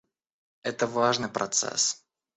Это важный процесс.